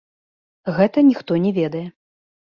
Гэта ніхто не ведае.